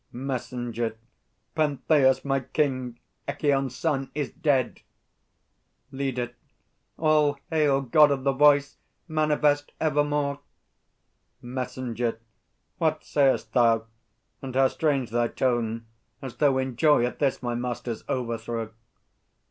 MESSENGER. Pentheus, my king, Echîon's son, is dead! LEADER. All hail, God of the Voice, Manifest ever more! MESSENGER. What say'st thou? And how strange thy tone, as though In joy at this my master's overthrow!